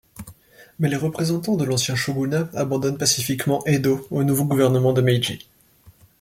Mais les représentants de l'ancien shogunat abandonnent pacifiquement Edo au nouveau gouvernement de Meiji.